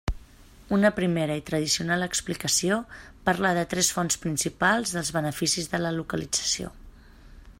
Una primera i tradicional explicació parla de tres fonts principals dels beneficis de la localització.